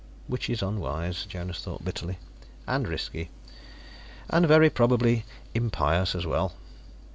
"Which is unwise," Jonas thought bitterly, "and risky, and very probably impious as well."